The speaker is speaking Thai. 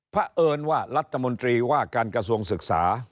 เพราะเอิญว่ารัฐมนตรีว่าการกระทรวงศึกษา